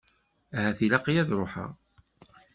Ahat ilaq-iyi ad ruḥeɣ.